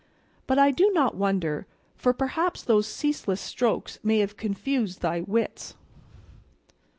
But I do not wonder, for perhaps those ceaseless strokes may have confused thy wits."